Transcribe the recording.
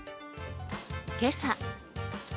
けさ。